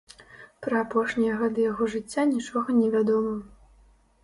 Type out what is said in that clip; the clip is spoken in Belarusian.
Пра апошнія гады яго жыцця нічога не вядома.